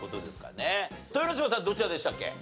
豊ノ島さんどちらでしたっけ？